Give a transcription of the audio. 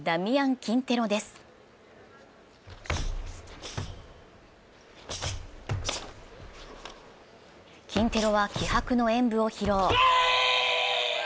キンテロは気迫の演武を披露。